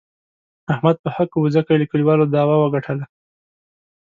احمد په حقه و، ځکه یې له کلیوالو داوه و ګټله.